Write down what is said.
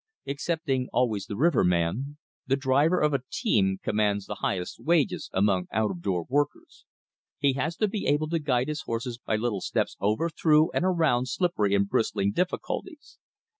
Excepting always the riverman, the driver of a team commands the highest wages among out of door workers. He has to be able to guide his horses by little steps over, through, and around slippery and bristling difficulties.